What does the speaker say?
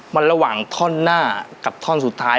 มันระหว่างท่อนหน้ากับท่อนสุดท้าย